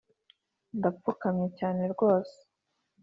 ndapfukamye cyane rwose